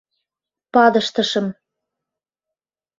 Падыштышым